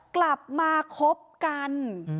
กลับมาคบกัน